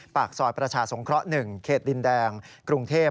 ปากซอยประชาสงเคราะห์๑เขตดินแดงกรุงเทพ